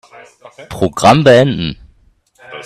Programm beenden.